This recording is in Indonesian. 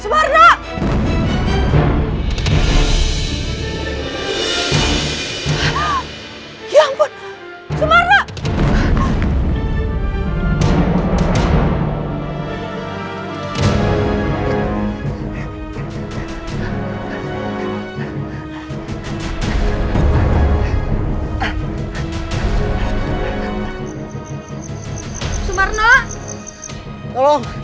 bagaimana tempatnya sekarang